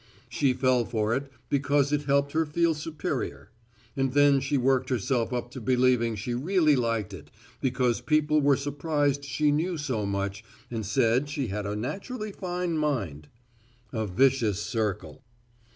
She fell for it because it helped her feel superior. And then she worked herself up to believing she really liked it because people were surprised she knew so much and said she had a naturally fine mind. A vicious circle.